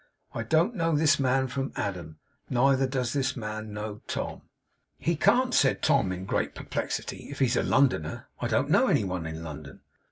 I don't know this man from Adam; neither does this man know Tom.' 'He can't,' said Tom, in great perplexity, 'if he's a Londoner. I don't know any one in London.